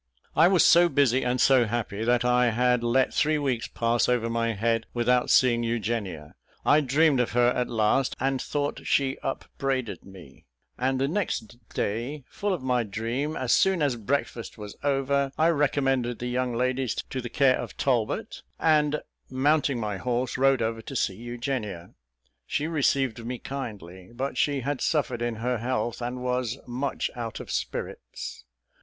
I was so busy and so happy, that I had let three weeks pass over my head without seeing Eugenia. I dreamed of her at last, and thought she upbraided me; and the next day, full of my dream, as soon as breakfast was over, I recommended the young ladies to the care of Talbot, and, mounting my horse, rode over to see Eugenia. She received me kindly, but she had suffered in her health, and was much out of spirits.